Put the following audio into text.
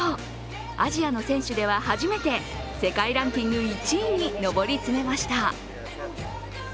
アジアの選手では初めて世界ランキング１位に上り詰めました。